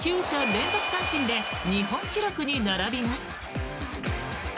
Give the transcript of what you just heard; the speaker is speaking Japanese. ９者連続三振で日本記録に並びます。